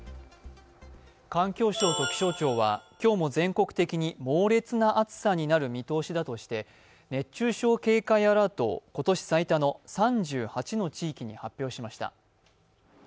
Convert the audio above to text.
環境省と気象庁は今日も全国的に猛烈な暑さになる見通しだとして熱中症警戒アラートを今年最多の３８の地域に発表しました。